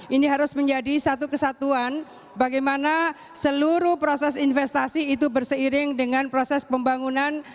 ini harus menjadi satu kesatuan bagaimana seluruh proses investasi itu berseiring dengan proses pembangunan